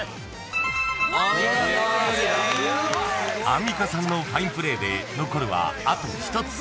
［アンミカさんのファインプレーで残るはあと１つ］